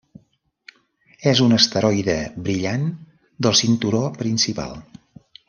És un asteroide brillant del cinturó principal.